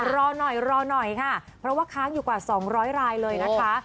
รอหน่อยรอหน่อยค่ะเพราะว่าค้างอยู่กว่า๒๐๐รายเลยนะคะ